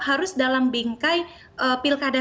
harus dalam bingkai pilkada